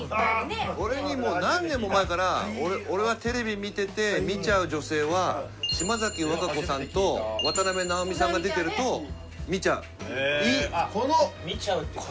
俺にもう何年も前から「俺がテレビ見てて見ちゃう女性は島崎和歌子さんと渡辺直美さんが出てると見ちゃう。いい」へ。